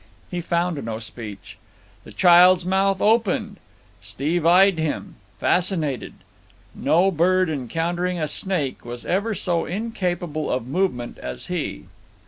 He found no speech. The child's mouth opened. Steve eyed him, fascinated. No bird, encountering a snake, was ever so incapable of movement as he.